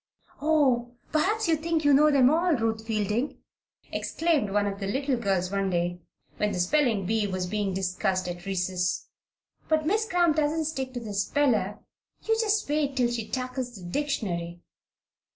"Oh, perhaps you think you know them all, Ruth Fielding!" exclaimed one of the little girls one day when the spelling bee was being discussed at recess. "But Miss Cramp doesn't stick to the speller. You just wait till she tackles the dictionary."